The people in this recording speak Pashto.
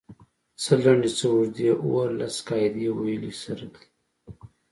څۀ لنډې څۀ اوږدې اووه لس قاعدې ويلی سر دی